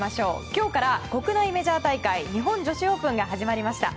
今日から国内メジャー大会日本女子オープンが始まりました。